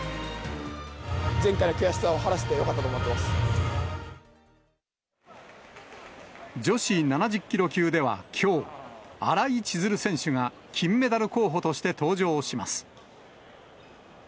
前回の悔しさを晴らせてよか女子７０キロ級ではきょう、新井千鶴選手が金メダル候補として登場します。